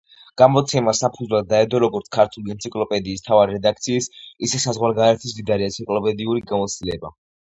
გამოცემას საფუძვლად დაედო როგორც ქართული ენციკლოპედიის მთავარი რედაქციის, ისე საზღვარგარეთის მდიდარი ენციკლოპედიური გამოცდილება.